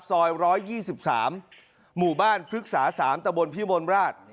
ซอย๑๒๓หมู่บ้านพฤกษา๓ตะบนพิมลราช